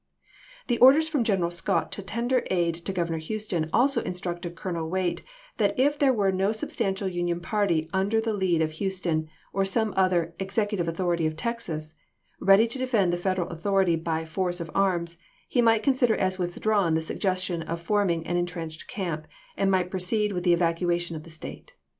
The orders from Greneral Scott to tender aid to Governor Houston also instructed Colonel Waite that if there were no substantial Union party under the lead of Houston, or some other " execu tive authority of Texas," ready to defend the Federal authority by force of arms, he might con sider as withdrawn the suggestion of forming an intrenched camp, and might proceed with the evacuation of the State.